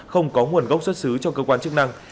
không có nguồn gốc xuất xứ cho cơ quan chức năng